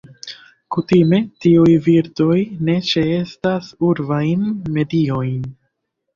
Kutime, tiuj birdoj ne ĉeestas urbajn mediojn.